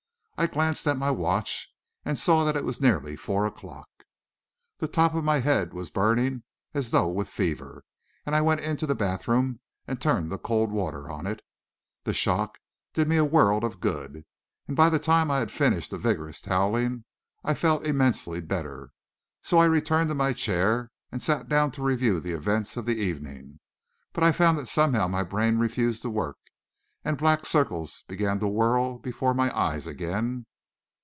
I glanced at my watch and saw that it was nearly four o'clock. The top of my head was burning as though with fever, and I went into the bathroom and turned the cold water on it. The shock did me a world of good, and by the time I had finished a vigorous toweling I felt immensely better. So I returned to my chair and sat down to review the events of the evening; but I found that somehow my brain refused to work, and black circles began to whirl before my eyes again.